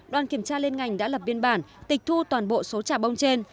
đoàn kiểm tra liên ngành đã lập biên bản tịch thu toàn bộ số trà bông trên